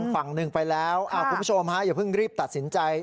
ฝั่งหนึ่งไปแล้วคุณผู้ชมฮะอย่าเพิ่งรีบตัดสินใจ